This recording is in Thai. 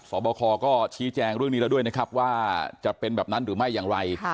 บคก็ชี้แจงเรื่องนี้แล้วด้วยนะครับว่าจะเป็นแบบนั้นหรือไม่อย่างไร